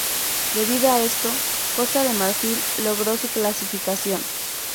Debido a esto, Costa de Marfil logró su clasificación.